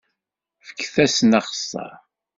Fket-asen axeṣṣar!